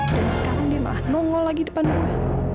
dan sekarang dia malah nongol lagi depan gue